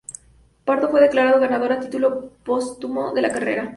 Pardo fue declarado ganador a título póstumo de la carrera.